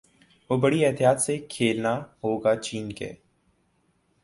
وہ بڑی احتیاط سے کھیلنا ہوگا چین کے